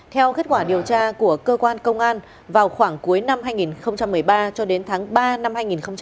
theo kết quả điều tra của cơ quan công an vào khoảng cuối năm hai nghìn một mươi ba cho đến tháng ba năm hai nghìn một mươi chín